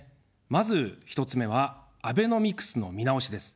まず１つ目は、アベノミクスの見直しです。